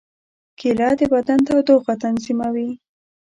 کېله د بدن تودوخه تنظیموي.